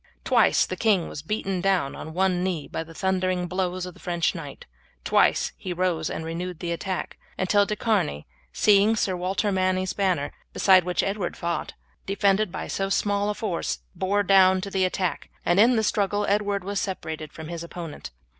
Twice the king was beaten down on one knee by the thundering blows of the French knight, twice he rose and renewed the attack, until De Charny, seeing Sir Walter Manny's banner, beside which Edward fought, defended by so small a force, also bore down to the attack, and in the struggle Edward was separated from his opponent.